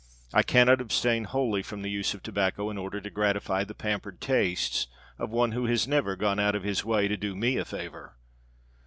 I cannot abstain wholly from the use of tobacco in order to gratify the pampered tastes of one who has never gone out of his way to do me a favor.